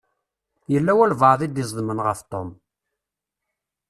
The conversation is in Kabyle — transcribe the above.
Yella walebɛaḍ i d-iẓeḍmen ɣef Tom.